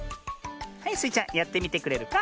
はいスイちゃんやってみてくれるか？